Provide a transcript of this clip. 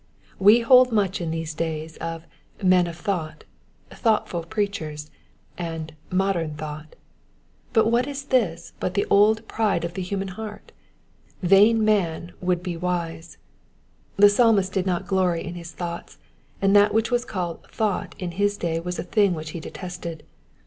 We hear much in these days of men of thought," *' thoughtful preachers," and *' modem thought" : what is this but the old pride of the human heart? Vain man would be wise. The Psalmist did not glory in his thoughts ; and that which was called thought " in his day was a thing which he detested.